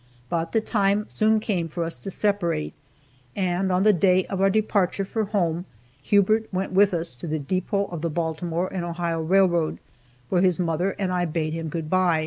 But the time soon came for us to separate, and on the day of our departure for home Hubert went with us to the depot of the Baltimore and Ohio railroad, where his mother and I bade him good by.